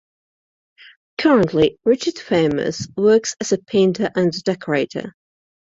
Currently, Richard Famous works as a painter and decorator.